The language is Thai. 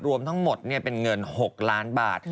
รวมทั้งหมดเป็นเงิน๖ล้านบาท